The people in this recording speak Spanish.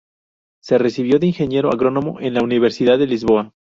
Se recibió de ingeniero agrónomo en la Universidad de Lisboa.